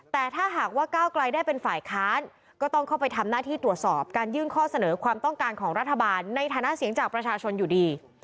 แต่ถ้าหากว่าก้าวไกลได้เป็นฝ่ายค้านก็ต้องเข้าไปทำหน้าที่ตรวจสอบการยื่นข้อเสนอความต้องการของรัฐบาลในฐานะเสียงจากประชาชนอยู่ดี